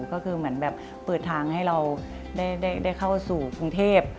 ก็คือเหมือนแบบเปิดทางให้เราได้เข้าสู่กรุงเทพ